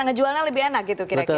ngejualnya lebih enak gitu kira kira